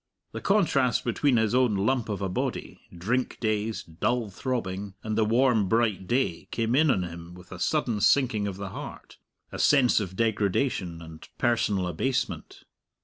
The contrast between his own lump of a body, drink dazed, dull throbbing, and the warm, bright day came in on him with a sudden sinking of the heart, a sense of degradation and personal abasement.